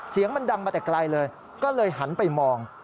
เสียงมันดังมาแต่ไกลเลยก็เลยหันไปมอง